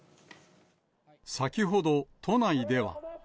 先ほど都内では。